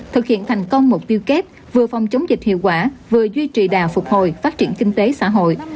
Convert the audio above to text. thực hiện thành công mục tiêu kép vừa phòng chống dịch hiệu quả vừa duy trì đà phục hồi phát triển kinh tế xã hội